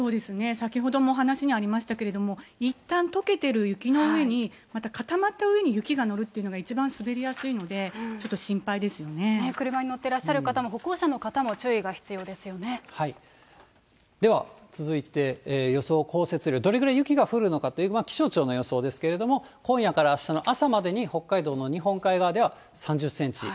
先ほども話にありましたけれども、いったんとけてる雪の上に、また固まった上に雪が乗るっていうのは一番滑りやすいので、ちょ車に乗ってらっしゃる方も歩では続いて、予想降雪量、どれぐらい雪が降るのかという、気象庁の予想ですけれども、今夜からあしたの朝までに北海道の日本海側では３０センチ。